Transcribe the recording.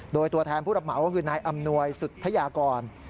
โดยตัวแทนผู้รับเหมาก็คือนายอำนวยสุธยากร